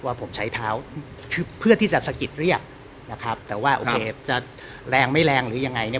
ว่าผมใช้เท้าคือเพื่อที่จะสะกิดเรียกนะครับแต่ว่าโอเคจะแรงไม่แรงหรือยังไงเนี่ย